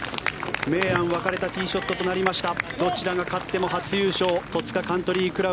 明暗分かれたティーショットとなりました。